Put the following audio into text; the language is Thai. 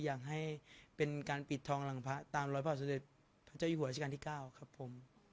อยากให้เป็นการปิดทองหลังพระตามร้อยพระบาทสมเด็จพระเจ้าอยู่หัวราชการที่๙ครับผม